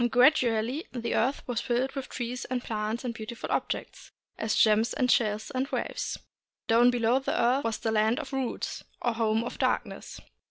Gradually the earth was filled with trees and plants and beautiful objects, as gems and shells and waves. Down below the earth was the Land of Roots, or Home of Darkness.